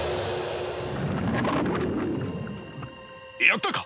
やったか？